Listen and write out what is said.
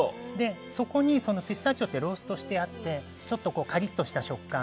そこにピスタチオってローストしてあってちょっとカリッとした食感。